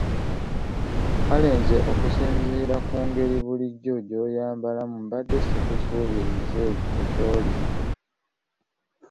Kale nze okusinziira ku ngeri bulijjo gy’oyambalamu mbadde sikusuubiriza ekyo ky’oli!